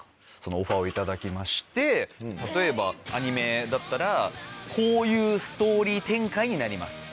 オファーを頂きまして例えばアニメだったら「こういうストーリー展開になります」と。